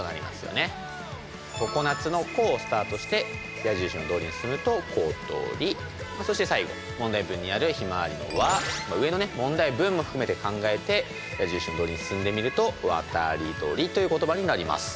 「とこなつ」の「こ」をスタートして矢印のとおりに進むと「ことり」そして最後問題文にある「ひまわり」の「わ」上の問題文も含めて考えて矢印のとおりに進んでみると「わたりどり」という言葉になります。